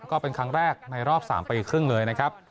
ก็เป็นครั้งแรกในรอบ๓ปีครึ่งเลยนะครับ